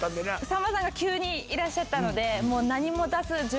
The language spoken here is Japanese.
さんまさんが急にいらっしゃったので。